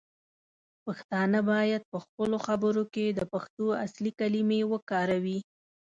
پښتانه باید پخپلو خبرو کې د پښتو اصلی کلمې وکاروي.